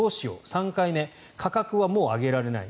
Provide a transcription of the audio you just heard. ３回目価格はもう上げられない。